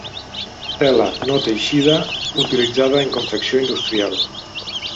Tela no teixida utilitzada en confecció industrial.